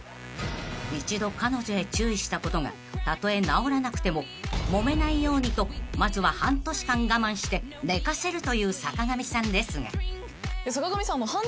［一度彼女へ注意したことがたとえ直らなくてももめないようにとまずは半年間我慢して寝かせるという坂上さんですが］